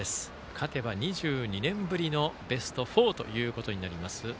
勝てば２２年ぶりのベスト４ということになります